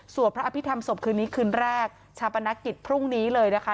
พระอภิษฐรรมศพคืนนี้คืนแรกชาปนกิจพรุ่งนี้เลยนะคะ